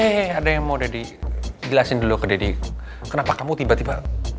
hei hei hei ada yang mau deddy jelasin dulu ke deddy kenapa kamu tiba tiba